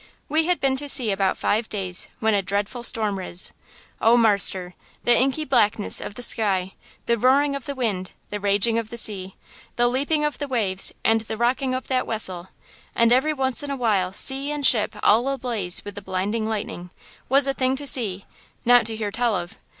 We had been to sea about five days when a dreadful storm riz. Oh, marster! the inky blackness of the sky, the roaring of the wind, the raging of the sea, the leaping of the waves and the rocking of that wessel–and every once in a while sea and ship all ablaze with the blinding lightning–was a thing to see, not to hear tell of!